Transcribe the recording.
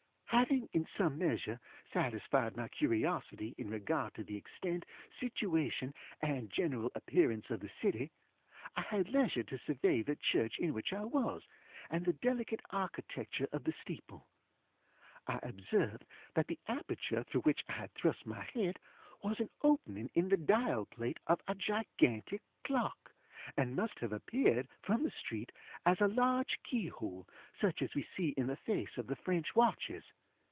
Having, in some measure, satisfied my curiosity in regard to the extent, situation, and general appearance of the city, I had leisure to survey the church in which I was, and the delicate architecture of the steeple. I observed that the aperture through which I had thrust my head was an opening in the dial plate of a gigantic clock, and must have appeared, from the street, as a large key hole, such as we see in the face of the French watches.